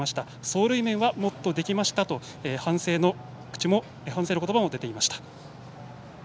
走塁面はもっとできましたと反省の言葉も出ていました。